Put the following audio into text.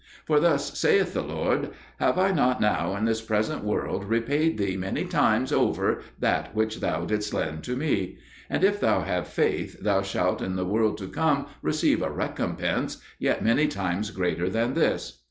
For thus saith the Lord, 'Have I not now in this present world repaid thee many times over that which thou didst lend to Me? And, if thou have faith, thou shalt in the world to come receive a recompense yet many times greater than this.'"